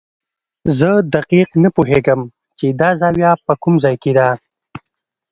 زه دقیق نه پوهېږم چې دا زاویه په کوم ځای کې ده.